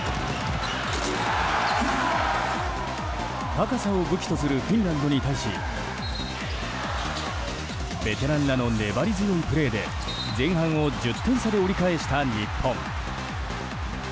高さを武器とするフィンランドに対しベテランらの粘り強いプレーで前半１０点差で折り返した日本。